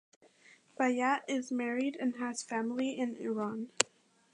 Bayat is married and has family in Iran.